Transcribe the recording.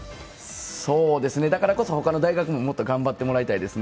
そうですね、だからこそ他の大学も頑張ってもらいたいですね。